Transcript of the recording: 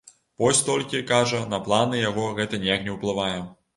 Вось толькі, кажа, на планы яго гэта ніяк не ўплывае.